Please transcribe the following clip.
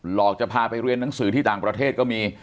หลอกจะพาไปเรียนหนังสือที่ต่างประเทศก็มี